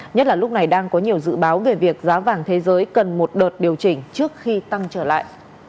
nhất là lúc này đang có nhiều dự báo về việc giá vàng thế giới cần một đợt điều chỉnh trước khi tăng trở lại